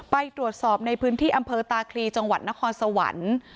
ไปตรวจสอบในพื้นที่อำเภอตาคลีจังหวัดนครสวรรค์